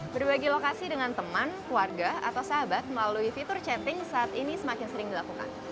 berbagi lokasi dengan teman keluarga atau sahabat melalui fitur chatting saat ini semakin sering dilakukan